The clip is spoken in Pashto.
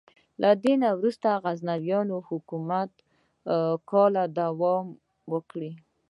له دې څخه وروسته د غزنویانو حکومت کاله دوام وکړ.